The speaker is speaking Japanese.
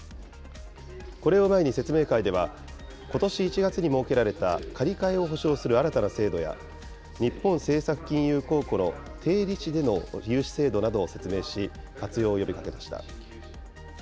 これを前に説明会では、ことし１月に設けられた借り換えを保証する新たな制度や、日本政策金融公庫の低利子での融資制度などを説明し、活用を呼びかけました。